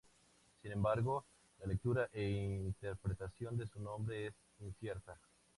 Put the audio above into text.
Sin embargo, la lectura e interpretación de su nombre es incierta.